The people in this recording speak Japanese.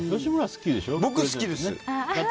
僕、好きです。